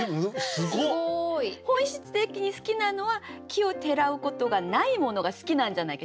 すごい！本質的に好きなのは奇を衒うことがないものが好きなんじゃないか。